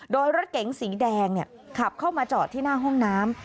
โดยรถเก๋งสีแดงขับเข้ามาจอดที่หน้าห้องน้ำ